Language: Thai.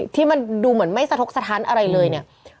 ที่มันดูเหมือนไม่สะทกสถานอะไรเลยเนี่ย